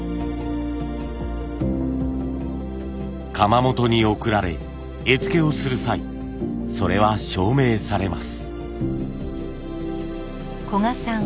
窯元に送られ絵付けをする際それは証明されます。